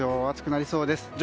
暑くなりそうです。